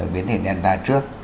biến thể delta trước